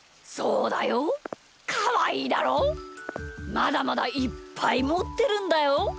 まだまだいっぱいもってるんだよ。